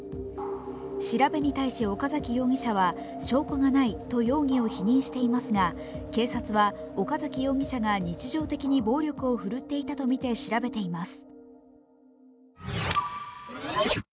調べに対し、岡崎容疑者は、証拠がないと容疑を否認していますが警察は岡崎容疑者が日常的に暴力を振るっていたとみて調べています。